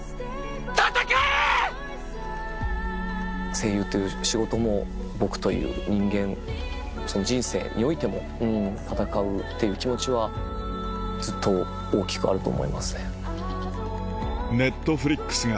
声優という仕事も僕という人間その人生においても戦うっていう気持ちはずっと大きくあると思いますね。